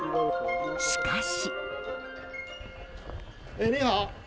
しかし。